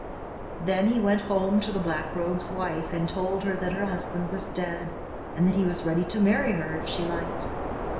Then he went home to the Black Rogue's wife, and told her that her husband was dead, and that he was ready to marry her if she liked.